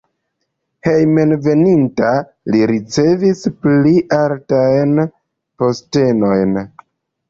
Hejmenveninta li ricevis pli altajn postenojn.